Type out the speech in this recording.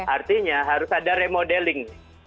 artinya harus ada remodeling